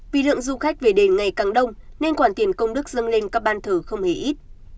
vì lượng du khách về đền ngày càng đông nên quản tiền công đức dâng lên các ban thử không hề ít